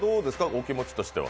お気持ちとしては。